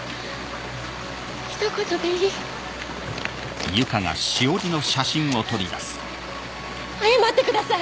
ひと言でいい謝ってください！